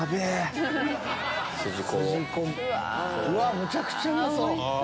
めちゃくちゃうまそう！